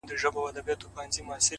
• زما پر خاوره زېږېدلی بیرغ غواړم ,